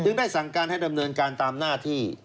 ได้สั่งการให้ดำเนินการตามหน้าที่